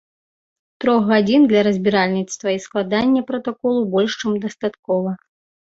Трох гадзін для разбіральніцтва і складання пратаколу больш чым дастаткова.